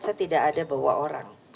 saya tidak ada bawa orang